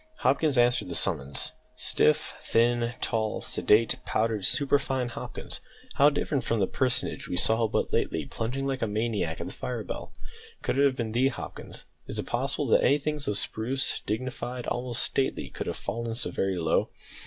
Hopkins answered the summons. Stiff, thin, tall, sedate, powdered, superfine Hopkins, how different from the personage we saw but lately plunging like a maniac at the fire bell! Could it have been thee, Hopkins? Is it possible that anything so spruce, dignified, almost stately, could have fallen so very low?